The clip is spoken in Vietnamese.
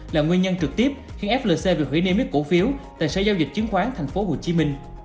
là nguyên nhân trực tiếp khiến flc việc hủy niêm yết cổ phiếu tại sở giao dịch chứng khoán tp hcm